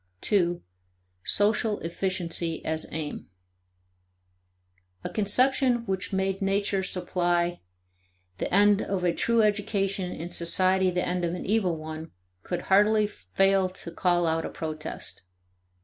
2. Social Efficiency as Aim. A conception which made nature supply the end of a true education and society the end of an evil one, could hardly fail to call out a protest.